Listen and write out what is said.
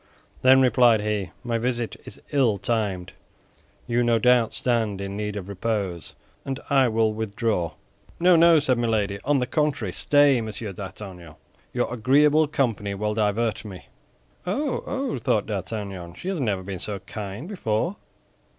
"Then," replied he, "my visit is ill timed; you, no doubt, stand in need of repose, and I will withdraw." "No, no!" said Milady. "On the contrary, stay, Monsieur d'Artagnan; your agreeable company will divert me." "Oh, oh!" thought D'Artagnan. "She has never been so kind before.